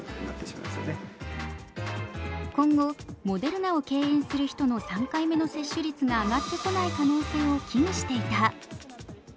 モデルナを敬遠する人の３回目接種率が上がってこない可能性を危惧していた。